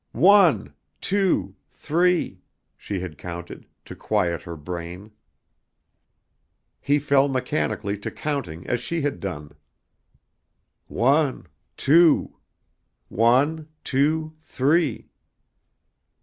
One, two, three," she had counted, to quiet her brain. He fell mechanically to counting as she had done: "One, two. One, two, three."